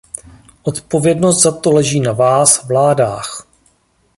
Odpovědnost za to leží na vás, vládách!